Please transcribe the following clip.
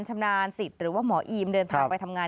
ชำนาญสิทธิ์หรือว่าหมออีมเดินทางไปทำงาน